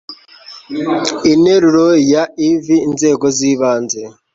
INTERURO YA IV INZEGO zibanze